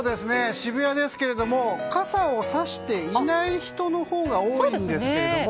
渋谷ですけど傘をさしていない人のほうが多いんですけども。